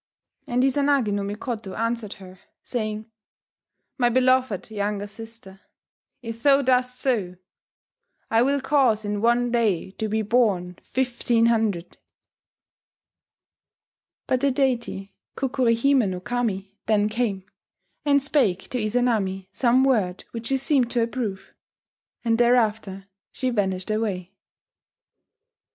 And Izanagi no Mikoto answered her, saying, "My beloved younger sister, if thou dost so, I will cause in one day to be born fifteen hundred ...." But the deity Kukuri hime no Kami then came, and spake to Izanami some word which she seemed to approve, and thereafter she vanished away